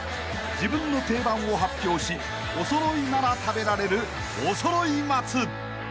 ［自分の定番を発表しおそろいなら食べられるおそろい松］